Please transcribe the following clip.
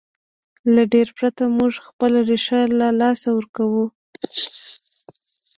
له دې پرته موږ خپله ریښه له لاسه ورکوو.